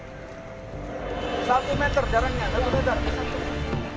satu meter jarangnya satu meter